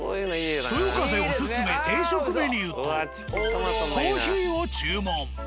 「そよ風」おすすめ定食メニューとコーヒーを注文。